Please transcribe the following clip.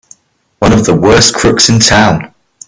One of the worst crooks in town!